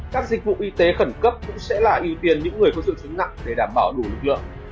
các dịch vụ y tế khẩn cấp cũng sẽ là ưu tiên những người có triệu chứng nặng để đảm bảo đủ lực lượng